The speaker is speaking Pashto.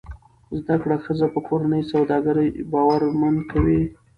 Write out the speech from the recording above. زده کړه ښځه په کورني سوداګرۍ باورمند کوي.